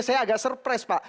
saya agak surprise pak